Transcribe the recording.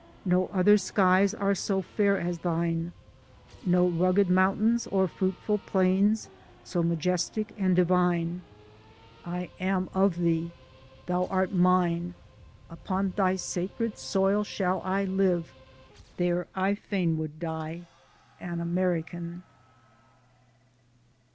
No other skies are so fair as Thine ; no rugged mountains or fruitful plains so majestic and divine. I am of Thee ; Thou art mine ; upon Thy sacred soil shall I live; there I fain would die, an American.